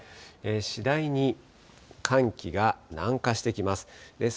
次第に寒気が南下してきます。